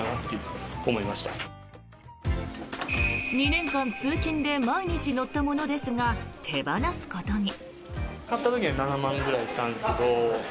２年間通勤で毎日乗ったものですが手放すことに。